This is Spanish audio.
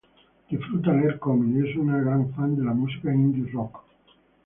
Disfruta leer cómics y es una gran fan de la música indie rock.